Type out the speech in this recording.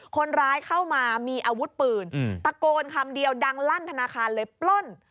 คนร้ายเข้ามามีอาวุธปืนตะโกนคำเดียวดังลั่นธนาคารเลยปล้น